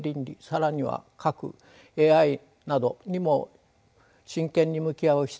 更には核ＡＩなどにも真剣に向き合う必要があります。